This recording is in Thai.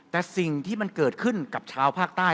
แต่สิ่งที่มันเกิดขึ้นกับชาวภาคใต้